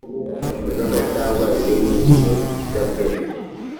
inzoga cyangwa ibindi biyobyabwenge